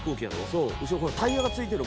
「そう後ろタイヤが付いてる」